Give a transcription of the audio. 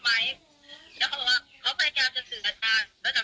มีวีดีโอพอร์กับอาจารย์ของหนูอาจารย์ของฉัน